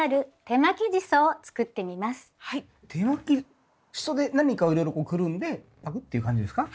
手巻きシソで何かをいろいろくるんでパクッていう感じですか？